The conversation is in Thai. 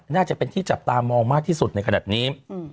น่าจะเป็นที่จับตามองมากที่สุดในขณะนี้